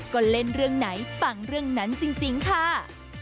ก็เล่นเรื่องไหนฟังเรื่องนั้นจริงค่ะ